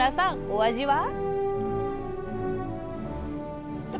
お味は？